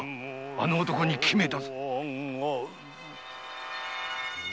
あの男に決めた。